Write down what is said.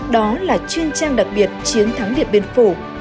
đó là chuyên trang đặc biệt chiến thắng điện biên phủ